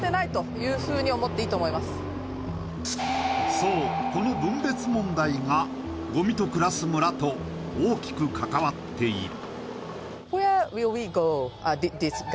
そうこの分別問題がごみと暮らすと大きく関わっている。